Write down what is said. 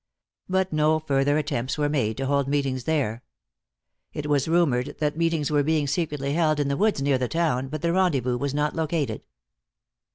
But no further attempts were made to hold meetings there. It was rumored that meetings were being secretly held in the woods near the town, but the rendezvous was not located.